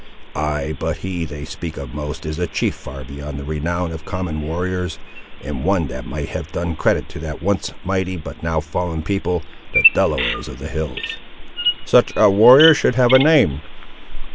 "Ay; but he, they speak of most, is a chief far beyond the renown of common warriors, and one that might have done credit to that once mighty but now fallen people, the Delawares of the hills." "Such a warrior should have a name?"